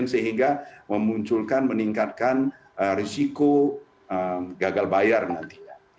sehingga memunculkan meningkatkan risiko gagal bayar nantinya